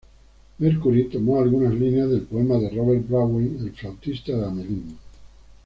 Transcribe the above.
Mercury tomó algunas líneas del poema de Robert Browning, "El flautista de Hamelín".